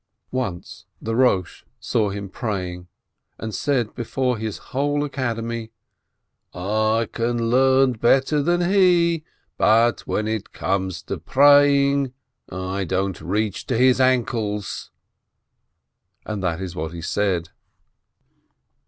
Once the Rosh ha Yeshiveh saw him praying, and said before his whole Academy, "I can learn better than THE SINNEE 533 he, but when it comes to praying, I don't reach to his ankles." That is what he said.